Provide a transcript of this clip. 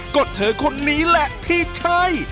ก็เธอคนนี้แหละที่ใช่